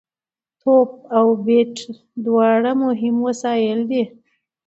توپ او بېټ دواړه مهم وسایل دي.